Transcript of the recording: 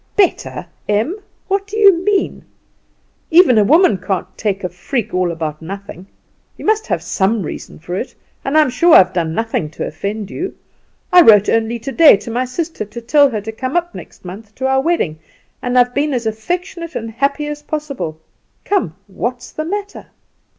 "Better, Em! What do you mean? Even a woman can't take a freak all about nothing! You must have some reason for it, and I'm sure I've done nothing to offend you. I wrote only today to my sister to tell her to come up next month to our wedding, and I've been as affectionate and happy as possible. Come what's the matter?"